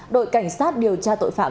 đội cảnh sát điều tra tội phạm